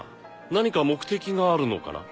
何か目的があるのかな？